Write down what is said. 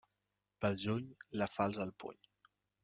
Pel juny, la falç al puny.